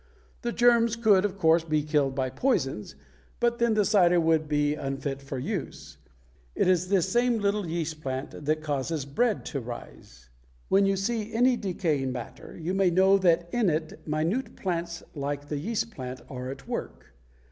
The germs could of course be killed by poisons, but then the cider would be unfit for use. It is this same little yeast plant that causes bread to rise. When you see any decaying matter you may know that in it minute plants much like the yeast plant are at work.